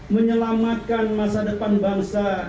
menyelamatkan masa depan bangsa